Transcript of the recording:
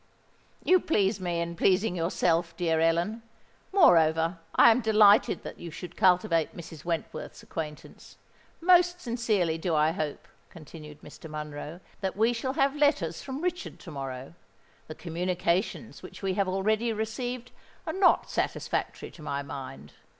"You please me in pleasing yourself, dear Ellen. Moreover, I am delighted that you should cultivate Mrs. Wentworth's acquaintance. Most sincerely do I hope," continued Mr. Monroe, "that we shall have letters from Richard to morrow. The communications which we have already received are not satisfactory to my mind.